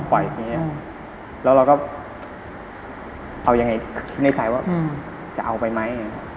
แล้วเราก็เอายังไงคิดในใจว่าจะเอาไปไหม